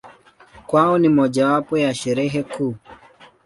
Kwao ni mojawapo ya Sherehe kuu.